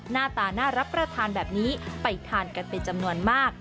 หน้าตาน่ารับประทานแบบนี้ไปทานกันเป็นจำนวนมาก